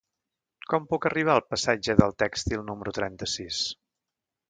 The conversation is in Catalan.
Com puc arribar al passatge del Tèxtil número trenta-sis?